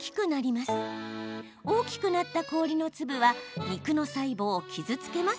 大きくなった氷の粒は肉の細胞を傷つけます。